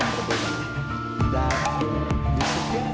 tapi setelah kami